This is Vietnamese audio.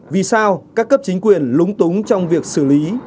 vì sao các cấp chính quyền lúng túng trong việc xử lý